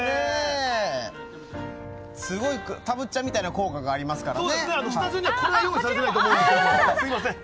たぶっちゃんみたいな効果がありますからね。